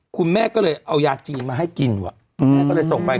คุณแม่ก็เลยเอายาจีนมาให้กินว่ะแม่ก็เลยส่งไป